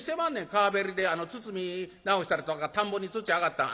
川べりで堤直したりとか田んぼに土上がったん。